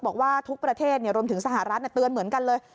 บอกว่าทุกประเทศรวมถึงสหรัฐเตือนเหมือนกันเลย